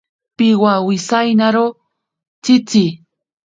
Piwawisainaro tsitsi.